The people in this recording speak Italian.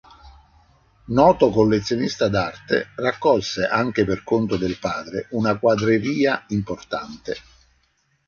Noto collezionista d'arte, raccolse anche per conto del padre una quadreria importante.